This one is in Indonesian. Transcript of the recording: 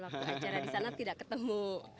waktu acara di sana tidak ketemu